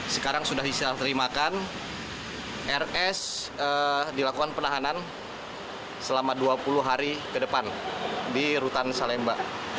sekarang sudah diserah terimakan rs dilakukan penahanan selama dua puluh hari ke depan di rutan salemba